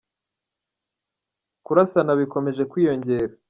Kurasana bikomeje kwiyongera